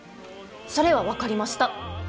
それは分かりました！